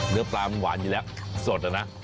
เนื้อปลามันหวานอยู่แล้วสดอะนะ